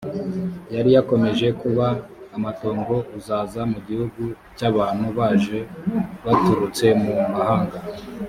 yari yarakomeje kuba amatongo uzaza mu gihugu cy abantu baje baturutse mu mahanga